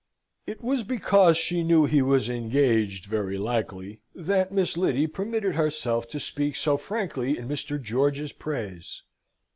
It was because she knew he was engaged, very likely, that Miss Lyddy permitted herself to speak so frankly in Mr. George's praise.